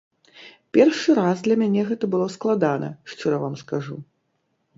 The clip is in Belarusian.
Першы раз для мяне гэта было складана, шчыра вам скажу.